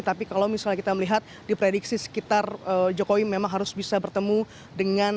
tapi kalau misalnya kita melihat di prediksi sekitar jokowi memang harus bisa bertemu dengan